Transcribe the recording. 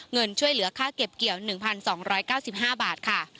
เงินช่วยเหลือค่าเก็บเกี่ยว๑๒๙๕บาทค่ะ